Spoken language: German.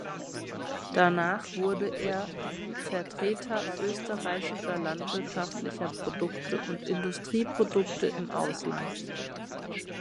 Danach wurde er Vertreter österreichischer landwirtschaftlicher Produkte und Industrieprodukte im Ausland.